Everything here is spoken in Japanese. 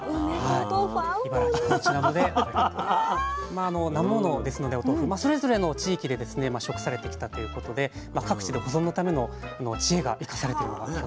まあなま物ですのでお豆腐それぞれの地域で食されてきたということで各地で保存のための知恵が生かされてるのが。